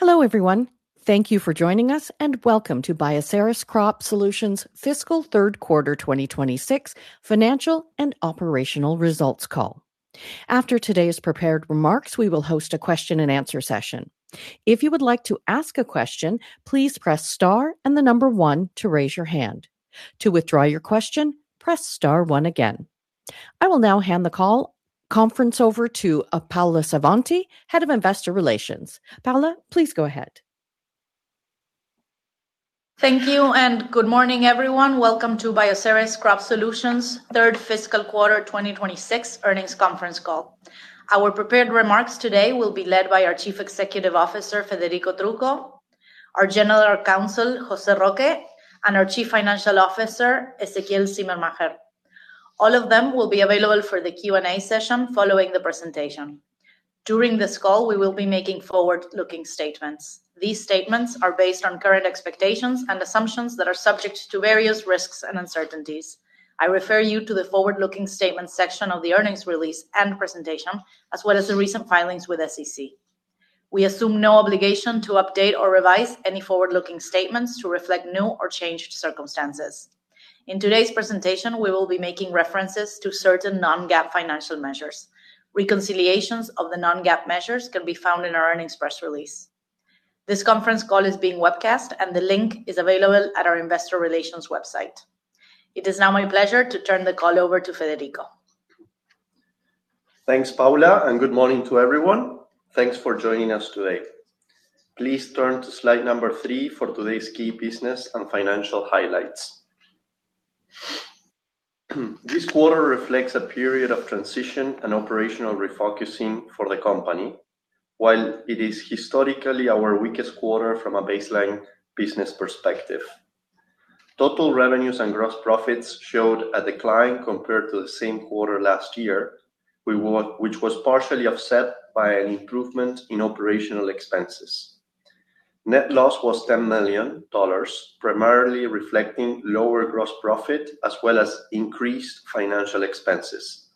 Hello, everyone. Thank you for joining us, and Welcome to Bioceres Crop Solutions Fiscal Third Quarter 2026 Financial and Operational Results Call. After today's prepared remarks, we will host a question-and-answer session. If you would like to ask a question, please press star and the number 1 to raise your hand. To withdraw your question, press star 1 again. I will now hand the call conference over to Paula Savanti, Head of Investor Relations. Paula, please go ahead. Thank you, and good morning, everyone. Welcome to Bioceres Crop Solutions 3rd fiscal quarter 2026 earnings conference call. Our prepared remarks today will be led by our Chief Executive Officer, Federico Trucco, our General Counsel, Jose Roque, and our Chief Financial Officer, Ezequiel Simmermacher. All of them will be available for the Q&A session following the presentation. During this call, we will be making forward-looking statements. These statements are based on current expectations and assumptions that are subject to various risks and uncertainties. I refer you to the forward-looking statements section of the earnings release and presentation, as well as the recent filings with SEC. We assume no obligation to update or revise any forward-looking statements to reflect new or changed circumstances. In today's presentation, we will be making references to certain non-GAAP financial measures. Reconciliations of the non-GAAP measures can be found in our earnings press release. This conference call is being webcast, and the link is available at our investor relations website. It is now my pleasure to turn the call over to Federico. Thanks, Paula, good morning to everyone. Thanks for joining us today. Please turn to slide number 3 for today's key business and financial highlights. This quarter reflects a period of transition and operational refocusing for the company. While it is historically our weakest quarter from a baseline business perspective, total revenues and gross profits showed a decline compared to the same quarter last year, which was partially offset by an improvement in operational expenses. Net loss was $10 million, primarily reflecting lower gross profit as well as increased financial expenses,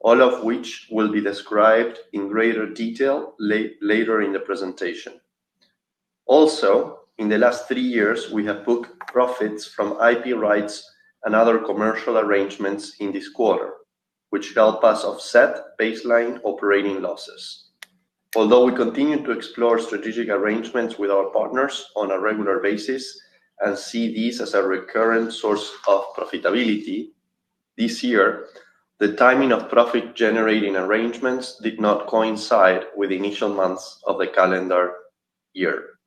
all of which will be described in greater detail later in the presentation. [Also,] In the last 3 years, we have booked profits from IP rights and other commercial arrangements in this quarter, which help us offset baseline operating losses. Although we continue to explore strategic arrangements with our partners on a regular basis and see these as a recurrent source of profitability, this year, the timing of profit-generating arrangements did not coincide with the initial months of the calendar year.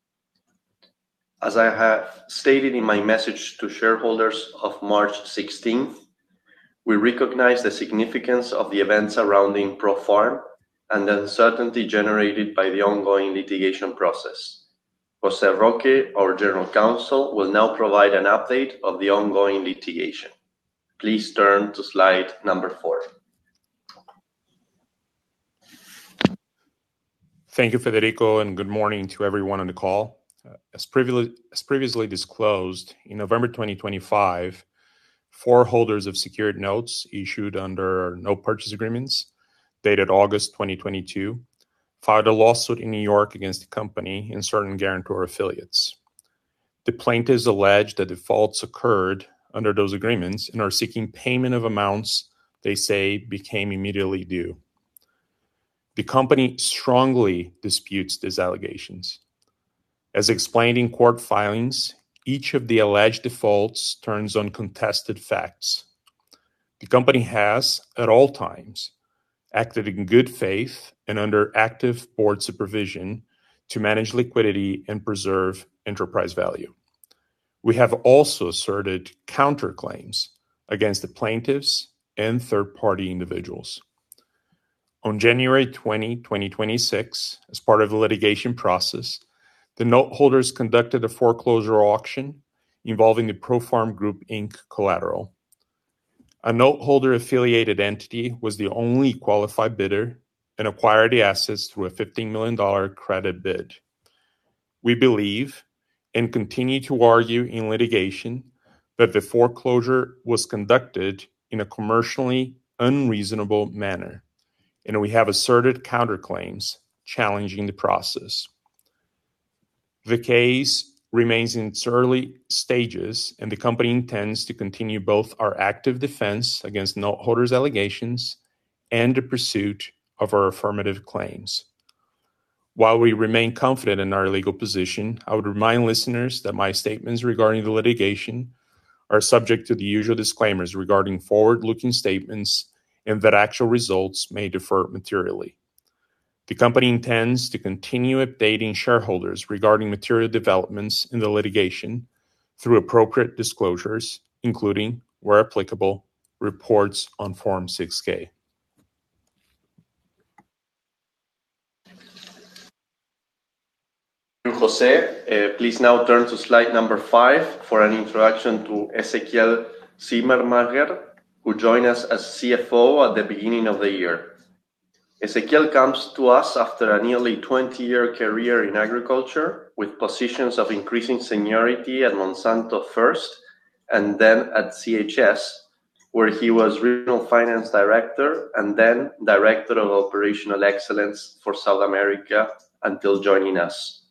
As I have stated in my message to shareholders of March 16th, we recognize the significance of the events surrounding ProFarm and the uncertainty generated by the ongoing litigation process. Jose Roque, our General Counsel, will now provide an update of the ongoing litigation. Please turn to slide number 4. Thank you, Federico, and good morning to everyone on the call. As previously disclosed, in November 2025, 4 holders of secured notes issued under note purchase agreements dated August 2022 filed a lawsuit in New York against the company and certain guarantor affiliates. The plaintiffs allege that defaults occurred under those agreements and are seeking payment of amounts they say became immediately due. The company strongly disputes these allegations. As explained in court filings, each of the alleged defaults turns on contested facts. The company has at all times acted in good faith and under active board supervision to manage liquidity and preserve enterprise value. We have also asserted counterclaims against the plaintiffs and third-party individuals. On January 20, 2026, as part of the litigation process, the note holders conducted a foreclosure auction involving the ProFarm Group, Inc. collateral. A note holder-affiliated entity was the only qualified bidder and acquired the assets through a $50 million credit bid. We believe and continue to argue in litigation that the foreclosure was conducted in a commercially unreasonable manner, and we have asserted counterclaims challenging the process. The case remains in its early stages, and the company intends to continue both our active defense against note holders' allegations and the pursuit of our affirmative claims. While we remain confident in our legal position, I would remind listeners that my statements regarding the litigation are subject to the usual disclaimers regarding forward-looking statements and that actual results may differ materially. The company intends to continue updating shareholders regarding material developments in the litigation through appropriate disclosures, including, where applicable, reports on Form 6-K. Thank you, Jose. Please now turn to slide number 5 for an introduction to Ezequiel Simmermacher, who joined us as CFO at the beginning of the year. Ezequiel comes to us after a nearly 20-year career in agriculture with positions of increasing seniority at Monsanto first and then at CHS, where he was regional finance director, and then director of operational excellence for South America until joining us.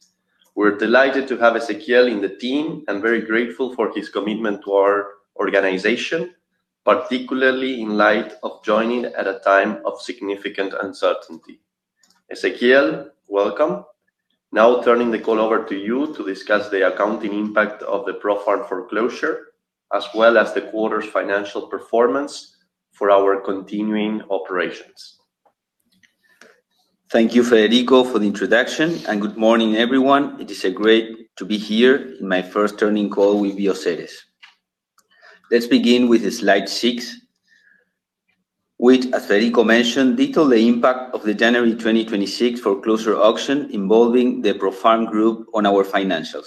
We're delighted to have Ezequiel in the team and very grateful for his commitment to our organization, particularly in light of joining at a time of significant uncertainty. Ezequiel, welcome. Now turning the call over to you to discuss the accounting impact of the ProFarm foreclosure, as well as the quarter's financial performance for our continuing operations. Thank you, Federico, for the introduction, and good morning, everyone. It is a great to be here in my first earning call with Bioceres. Let's begin with the slide 6, which as Federico mentioned, detail the impact of the January 2026 foreclosure auction involving the ProFarm Group on our financials.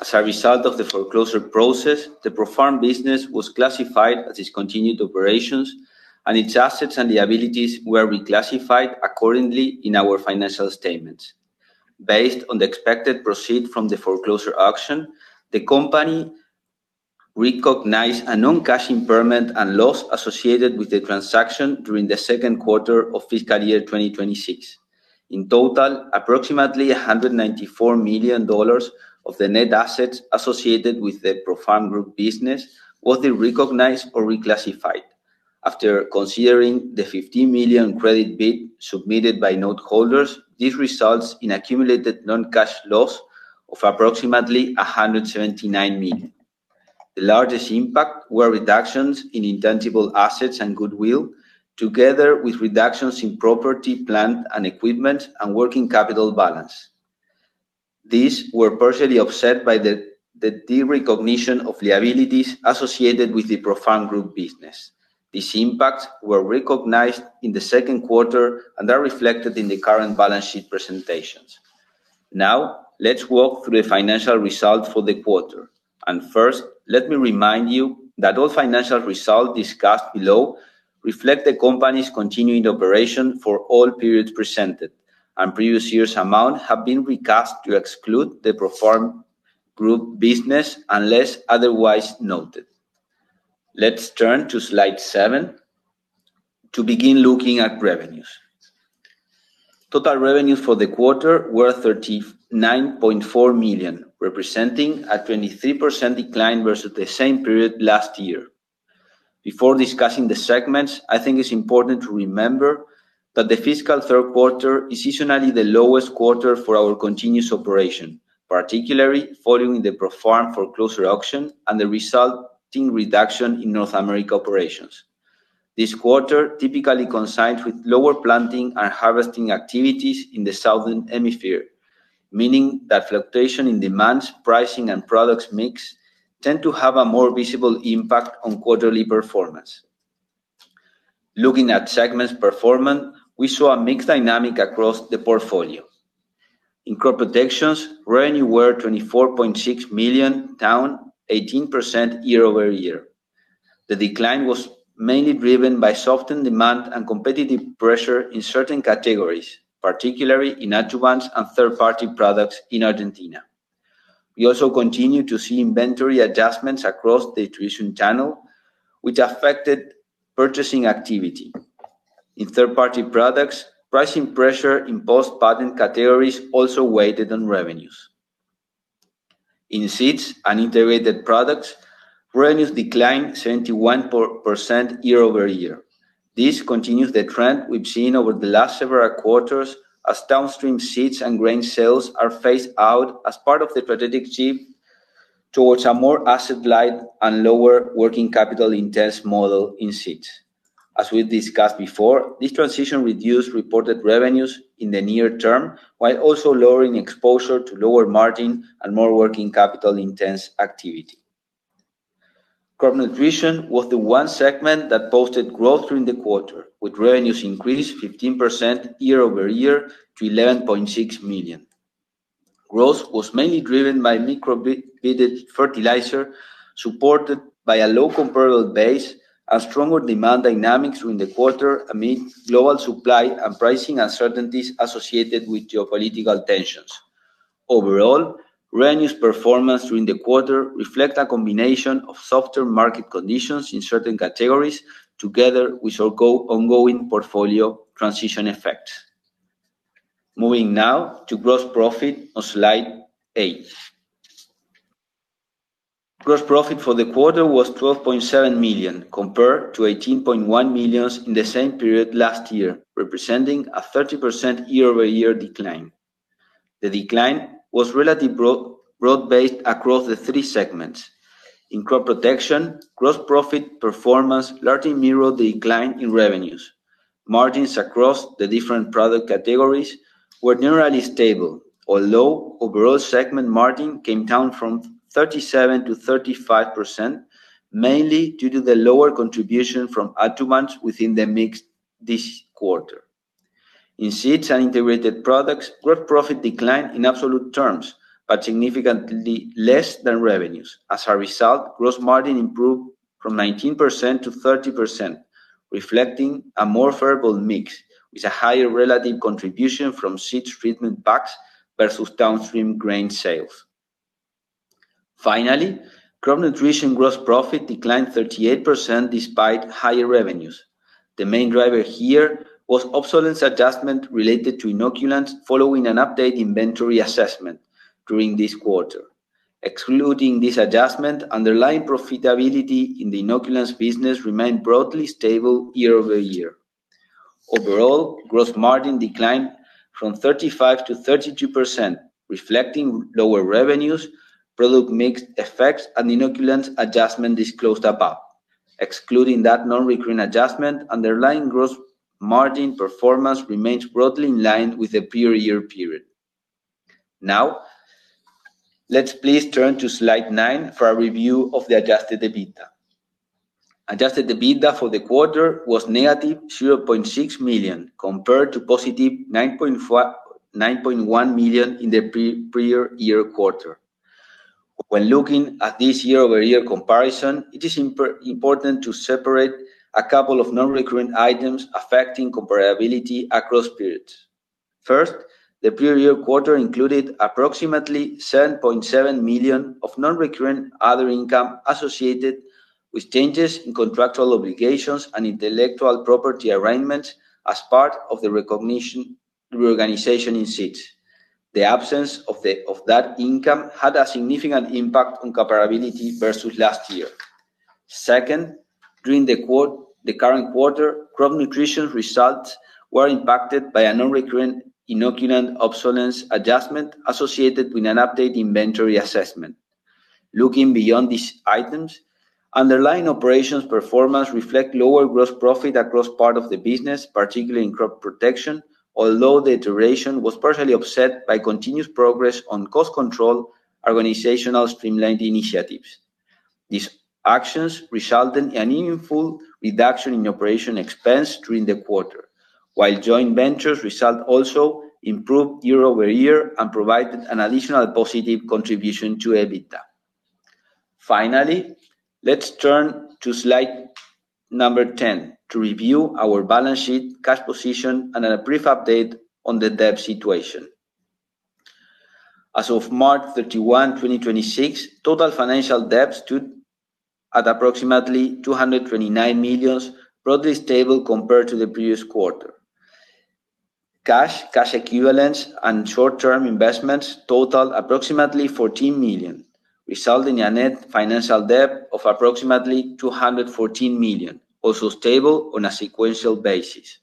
As a result of the foreclosure process, the ProFarm business was classified as discontinued operations, and its assets and liabilities were reclassified accordingly in our financial statements. Based on the expected proceed from the foreclosure auction, the company recognized a non-cash impairment and loss associated with the transaction during the second quarter of fiscal year 2026. In total, approximately $194 million of the net assets associated with the ProFarm Group business was de-recognized or reclassified. After considering the $50 million credit bid submitted by note holders, this results in accumulated non-cash loss of approximately $179 million. The largest impact were reductions in intangible assets and goodwill, together with reductions in property, plant, and equipment, and working capital balance. These were partially offset by the derecognition of liabilities associated with the ProFarm Group business. These impacts were recognized in the second quarter and are reflected in the current balance sheet presentations. Let's walk through the financial results for the quarter. First, let me remind you that all financial results discussed below reflect the company's continuing operation for all periods presented, and previous years' amount have been recast to exclude the ProFarm Group business unless otherwise noted. Let's turn to slide 7 to begin looking at revenues. Total revenues for the quarter were $39.4 million, representing a 23% decline versus the same period last year. Before discussing the segments, I think it's important to remember that the fiscal third quarter is seasonally the lowest quarter for our continuous operation, particularly following the ProFarm foreclosure auction and the resulting reduction in North America operations. This quarter typically coincides with lower planting and harvesting activities in the Southern Hemisphere, meaning that fluctuation in demands, pricing, and products mix tend to have a more visible impact on quarterly performance. Looking at segments performance, we saw a mixed dynamic across the portfolio. In Crop Protection, revenue were $24.6 million, down 18% year-over-year. The decline was mainly driven by softened demand and competitive pressure in certain categories, particularly in adjuvants and third-party products in Argentina. We also continue to see inventory adjustments across the nutrition channel, which affected purchasing activity. In third-party products, pricing pressure in post-patent categories also weighted on revenues. In Seed and Integrated Products, revenues declined 71% year-over-year. This continues the trend we've seen over the last several quarters as downstream seeds and grain sales are phased out as part of the strategic shift towards a more asset-light and lower working capital-intense model in seeds. As we discussed before, this transition reduced reported revenues in the near term, while also lowering exposure to lower margin and more working capital-intense activity. Crop Nutrition was the 1 segment that posted growth during the quarter, with revenues increased 15% year-over-year to $11.6 million. Growth was mainly driven by microbial fertilizer, supported by a low comparable base and stronger demand dynamics during the quarter amid global supply and pricing uncertainties associated with geopolitical tensions. Overall, revenues performance during the quarter reflect a combination of softer market conditions in certain categories together with our ongoing portfolio transition effects. Moving now to gross profit on slide 8. Gross profit for the quarter was $12.7 million, compared to $18.1 million in the same period last year, representing a 30% year-over-year decline. The decline was relatively broad-based across the 3 segments. In Crop Protection, gross profit performance largely mirrored the decline in revenues. Margins across the different product categories were generally stable, although overall segment margin came down from 37%-35%, mainly due to the lower contribution from adjuvants within the mix this quarter. In Seed and Integrated Products, gross profit declined in absolute terms, but significantly less than revenues. As a result, gross margin improved from 19%-30%, reflecting a more favorable mix with a higher relative contribution from seed treatment packs versus downstream grain sales. Crop Nutrition gross profit declined 38% despite higher revenues. The main driver here was obsolescence adjustment related to inoculants following an update inventory assessment during this quarter. Excluding this adjustment, underlying profitability in the inoculants business remained broadly stable year-over-year. Overall, gross margin declined from 35%-32%, reflecting lower revenues, product mix effects and inoculants adjustment disclosed above. Excluding that non-recurring adjustment, underlying gross margin performance remains broadly in line with the prior year period. Now, let's please turn to slide 9 for a review of the adjusted EBITDA. Adjusted EBITDA for the quarter was -$0.6 million, compared to $9.1 million in the pre-prior year quarter. When looking at this year-over-year comparison, it is important to separate a couple of non-recurring items affecting comparability across periods. First, the prior year quarter included approximately $7.7 million of non-recurring other income associated with changes in contractual obligations and intellectual property arrangements as part of the reorganization in Seeds. The absence of that income had a significant impact on comparability versus last year. Second, during the current quarter, Crop Nutrition results were impacted by a non-recurring inoculant obsolescence adjustment associated with an update inventory assessment. Looking beyond these items, underlying operations performance reflect lower gross profit across part of the business, particularly in Crop Protection. The iteration was partially upset by continuous progress on cost control organizational streamlining initiatives. These actions resulted in a meaningful reduction in operation expense during the quarter, while joint ventures result also improved year-over-year and provided an additional positive contribution to EBITDA. [Finally,] let's turn to slide number 10 to review our balance sheet, cash position, and a brief update on the debt situation. As of March 31, 2026, total financial debt stood at approximately $229 million, broadly stable compared to the previous quarter. Cash, cash equivalents, and short-term investments totaled approximately $14 million, resulting in a net financial debt of approximately $214 million, also stable on a sequential basis.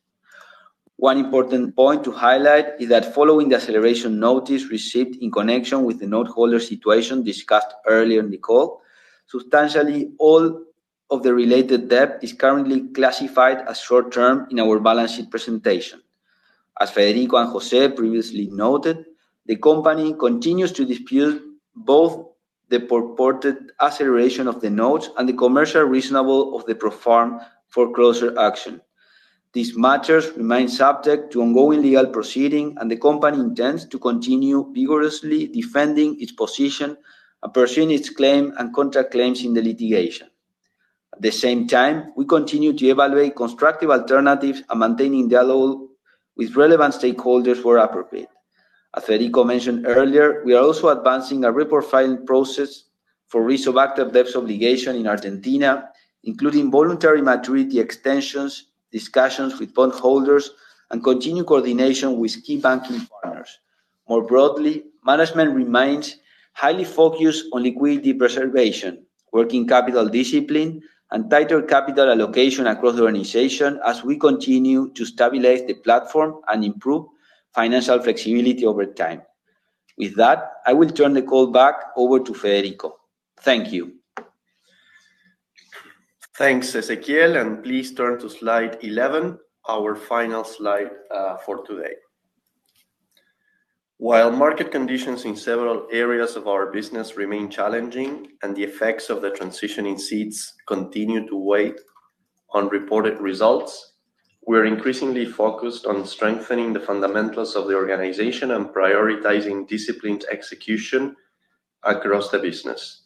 One important point to highlight is that following the acceleration notice received in connection with the noteholder situation discussed earlier in the call, substantially all of the related debt is currently classified as short-term in our balance sheet presentation. As Federico and Jose previously noted, the company continues to dispute both the purported acceleration of the notes and the commercial reasonableness of the Pro Farm foreclosure auction. These matters remain subject to ongoing legal proceedings, and the company intends to continue vigorously defending its position and pursuing its claims and counterclaims in the litigation. At the same time, we continue to evaluate constructive alternatives and maintain dialogue with relevant stakeholders where appropriate. As Federico mentioned earlier, we are also advancing a reprofiling process for retroactive debt obligations in Argentina, including voluntary maturity extensions, discussions with bondholders, and continued coordination with key banking partners. More broadly, management remains highly focused on liquidity preservation, working capital discipline, and tighter capital allocation across the organization as we continue to stabilize the platform and improve financial flexibility over time. With that, I will turn the call back over to Federico. Thank you. Thanks, Ezequiel, please turn to slide 11, our final slide for today. While market conditions in several areas of our business remain challenging and the effects of the transition in Seeds continue to weigh on reported results, we are increasingly focused on strengthening the fundamentals of the organization and prioritizing disciplined execution across the business.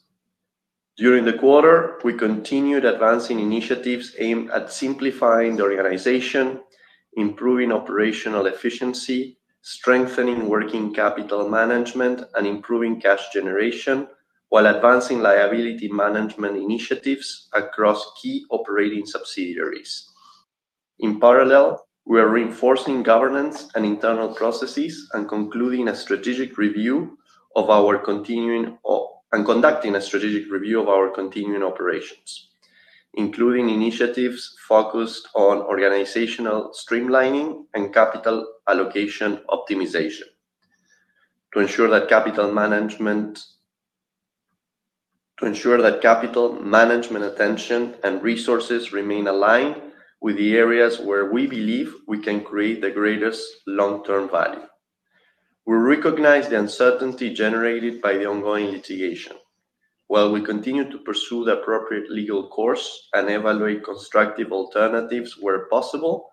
During the quarter, we continued advancing initiatives aimed at simplifying the organization, improving operational efficiency, strengthening working capital management, and improving cash generation, while advancing liability management initiatives across key operating subsidiaries. In parallel, we are reinforcing governance and internal processes and conducting a strategic review of our continuing operations, including initiatives focused on organizational streamlining and capital allocation optimization. To ensure that capital management attention and resources remain aligned with the areas where we believe we can create the greatest long-term value. We recognize the uncertainty generated by the ongoing litigation. While we continue to pursue the appropriate legal course and evaluate constructive alternatives where possible,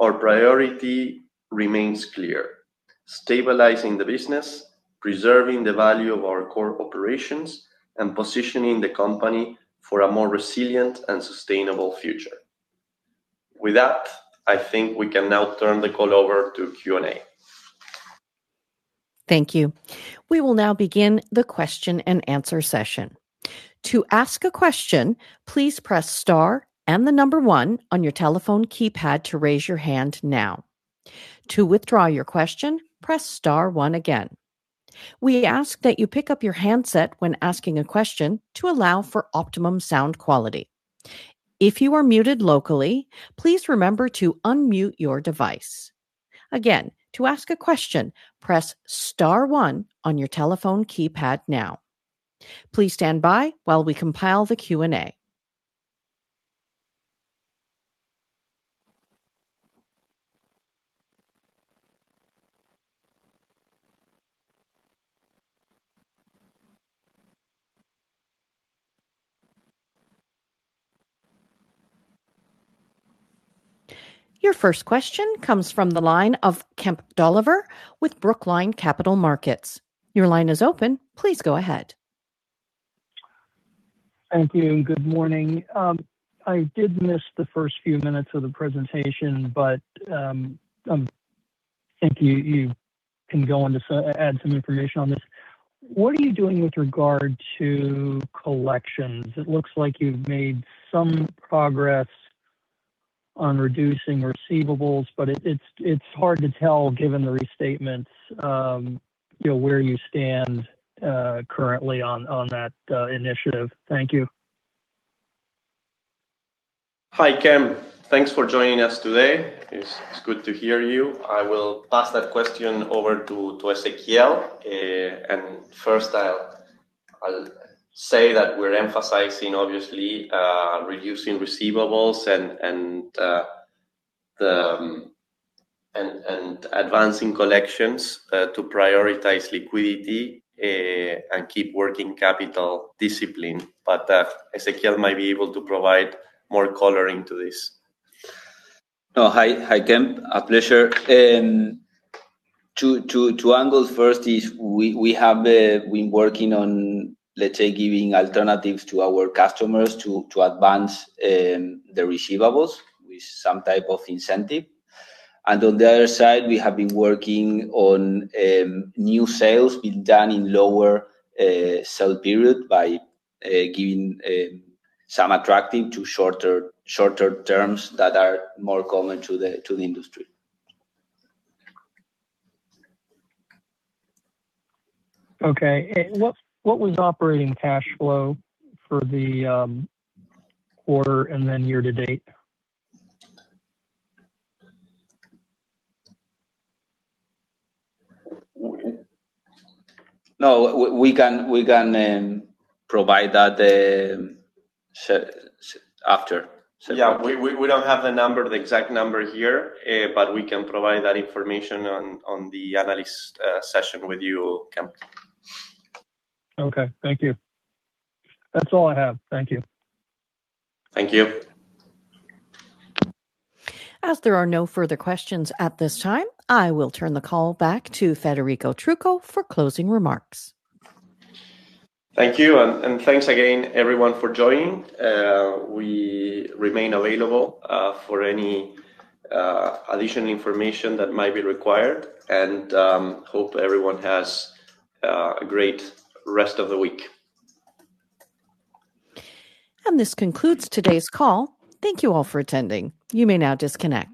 our priority remains clear: stabilizing the business, preserving the value of our core operations, and positioning the company for a more resilient and sustainable future. With that, I think we can now turn the call over to Q&A. Thank you. We will now begin the question and answer session. To ask a question, please press star and the number 1 on your telephone keypad to raise your hand now. To withdraw your question, press star 1 again. We ask that you pick up your handset when asking a question to allow for optimum sound quality. If you are muted locally, please remember to unmute your device. Again, to ask a question, press star 1 on your telephone keypad now. Please stand by while we compile the Q&A. Your first question comes from the line of Kemp Dolliver with Brookline Capital Markets. Your line is open. Please go ahead. Thank you, and good morning. I did miss the first few minutes of the presentation, but think you can go on to add some information on this. What are you doing with regard to collections? It looks like you've made some progress on reducing receivables, but it's hard to tell, given the restatements, you know, where you stand currently on that initiative. Thank you. Hi, Kemp. Thanks for joining us today. It's good to hear you. I will pass that question over to Ezequiel. First I'll say that we're emphasizing, obviously, reducing receivables and advancing collections to prioritize liquidity and keep working capital discipline. Ezequiel might be able to provide more color into this. Oh, hi. Hi, Kemp. A pleasure. Two angles first is we have been working on, let's say, giving alternatives to our customers to advance the receivables with some type of incentive. On the other side, we have been working on new sales being done in lower sell period by giving some attracting to shorter terms that are more common to the industry. Okay. What was operating cash flow for the quarter and then year-to-date? No, we can provide that after. We don't have the number, the exact number here, but we can provide that information on the analyst session with you, Kemp. Okay. Thank you. That's all I have. Thank you. Thank you. As there are no further questions at this time, I will turn the call back to Federico Trucco for closing remarks. Thank you. Thanks again, everyone, for joining. We remain available for any additional information that might be required and hope everyone has a great rest of the week. This concludes today's call. Thank you all for attending. You may now disconnect.